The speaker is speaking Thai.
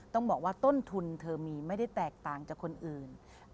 ต้องบอกว่าต้นทุนเธอมีไม่ได้แตกต่างจากคนอื่น